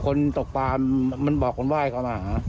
คนตกปลาบอกว่าตกปลามา